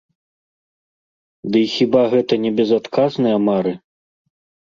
Дый хіба гэта не безадказныя мары?